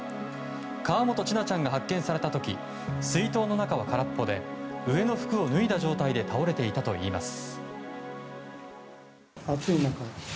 河本千奈ちゃんが発見された時水筒の中は空っぽで上の服を脱いだ状態で倒れていたといいます。